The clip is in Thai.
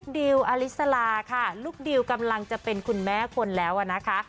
ดิวอลิสลาค่ะลูกดิวกำลังจะเป็นคุณแม่คนแล้วนะคะ